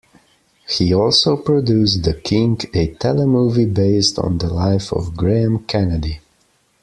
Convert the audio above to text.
He also produced "The King", a telemovie based on the life of Graham Kennedy.